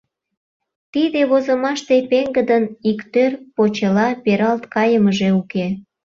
Тиде возымаште пеҥгыдын, иктӧр, почела пералт кайымыже уке.